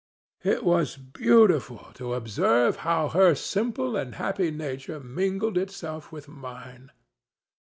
—It was beautiful to observe how her simple and happy nature mingled itself with mine.